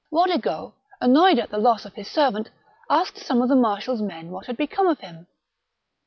Rodigo, annoyed at the loss of his servant, asked some of the marshal's men what had become of him.